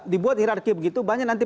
dibuat hirarki begitu banyak nanti